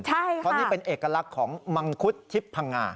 เพราะนี่เป็นเอกลักษณ์ของมังคุดทิพย์พังงา